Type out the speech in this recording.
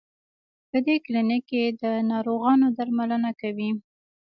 په دې کلینک کې د ناروغانو درملنه کوي.